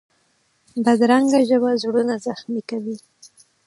بدرنګه ژبه زړونه زخمي کوي